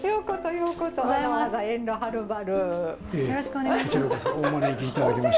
よろしくお願いします。